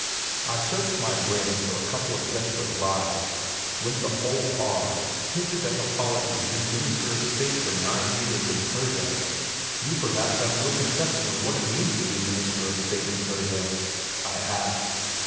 I searched my brain for a couple of desperate lies, went the whole hog, hinted that Happolati had been Minister of State for nine years in Persia. "You perhaps have no conception of what it means to be Minister of State in Persia?" I asked.